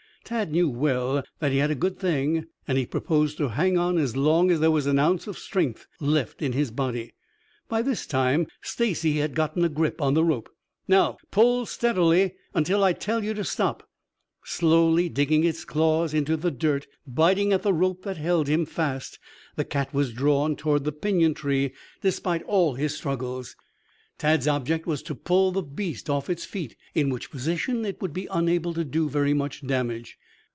Tad knew well that he had a good thing and he proposed to hang on as long as there was an ounce of strength left in his body. By this time Stacy had gotten a grip on the rope. "Now pull steadily until I tell you to stop." Slowly, digging his claws into the dirt, biting at the rope that held him fast, the cat was drawn toward the pinyon tree despite all his struggles. Tad's object was to pull the beast off its feet, in which position it would be unable to do very much damage.